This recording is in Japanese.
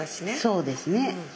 そうですね。